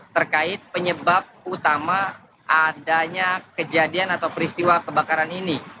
terkait penyebab utama adanya kejadian atau peristiwa kebakaran ini